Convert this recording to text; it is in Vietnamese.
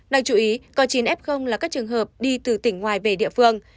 đang chú ý có chín f là các trường hợp đi từ tỉnh ngoài về địa phương